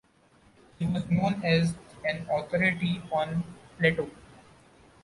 He was known as an authority on Plato.